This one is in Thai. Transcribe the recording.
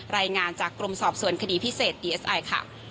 รายงานจากกรมสอบส่วนคดีพิเศษดีเอสไอค่ะ